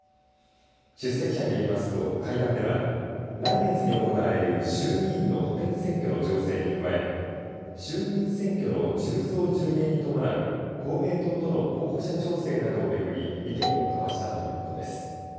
出席者によりますと、会談では来月に行われる衆議院の補欠選挙の情勢に加え衆議院選挙の１０増１０減に伴う公明党との候補者調整などを巡り意見を交わしたということです。